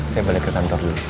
saya balik ke kantor dulu